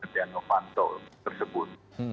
dan mempantul tersebut